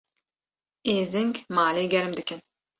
Êzing malê germ dikin.